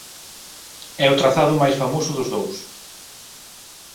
É o trazado máis famoso dos dous.